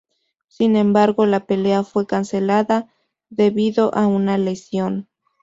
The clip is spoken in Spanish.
Sin embargo, la pelea fue cancelada debido a una lesión.